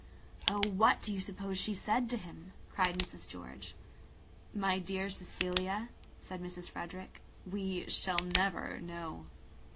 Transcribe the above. " "Oh, what do you suppose she said to him?" cried Mrs. George. "My dear Cecilia," said Mrs. Frederick, "we shall never know."